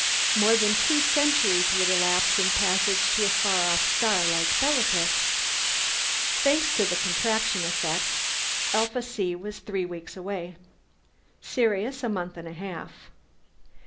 More than two centuries would elapse in passage to a far off star like Bellatrix. Thanks to the contraction effect, Alpha C was three weeks away, Sirius a month and a half.